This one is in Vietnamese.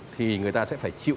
thì người ta sẽ phải chịu